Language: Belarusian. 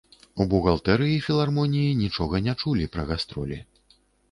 У бухгалтэрыі філармоніі нічога не чулі пра гастролі.